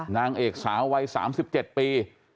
นางเอกสาววัย๓๗ปี